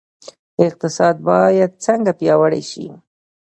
اقتصاد باید څنګه پیاوړی شي؟